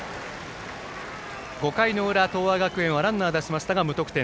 ５回の裏、東亜学園はランナー出しましたが無得点。